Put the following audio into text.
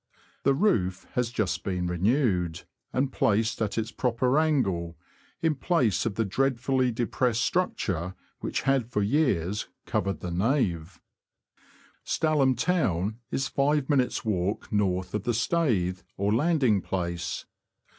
The roof has just been renewed. UP THE ANT, TO BARTON AND STALHAM. 161 and placed at its proper angle, in place of the dreadfully depressed structure which had for years covered the nave Stalham town is five minutes' walk north of the Staithe, or landing place.